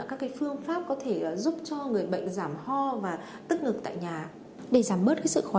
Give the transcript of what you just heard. các cái phương pháp có thể giúp cho người bệnh giảm ho và tức ngực tại nhà để giảm bớt cái sự khó